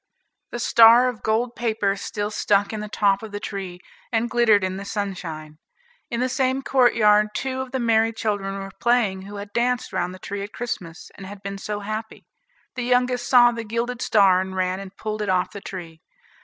The star of gold paper still stuck in the top of the tree and glittered in the sunshine. In the same courtyard two of the merry children were playing who had danced round the tree at Christmas, and had been so happy. The youngest saw the gilded star, and ran and pulled it off the tree.